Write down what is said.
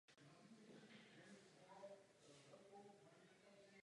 To je zcela nepřijatelné.